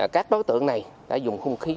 các đối tượng này đã dùng hung khí